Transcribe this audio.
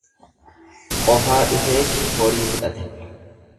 Qofaa dhufeeti horii fudhate.